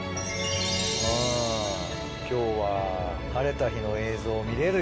うん今日は晴れた日の映像を見れるよ。